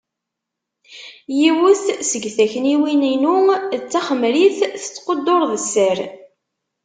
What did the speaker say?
Yiwet seg takniwin-inu d taxemrit, tettqudur d sser.